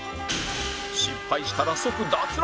失敗したら即脱落